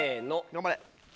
頑張れ。